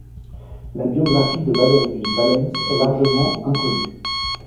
La biographie de Valerius Valens est largement inconnue.